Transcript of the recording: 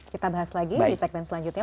kita bahas lagi di segmen selanjutnya